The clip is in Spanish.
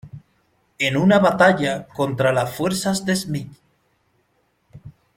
En una batalla contra las fuerzas de Schmidt.